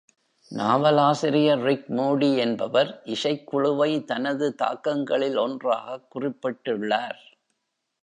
நாவலாசிரியர் Rick Moody என்பவர் இசைக் குழுவை தனது தாக்கங்களில் ஒன்றாகக் குறிப்பிட்டுள்ளார்.